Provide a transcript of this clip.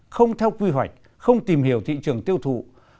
không theo quy hoạch không tìm hiểu thị trường tiêu thụ